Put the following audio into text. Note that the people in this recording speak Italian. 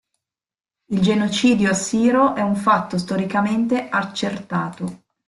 Il genocidio assiro è un fatto storicamente accertato.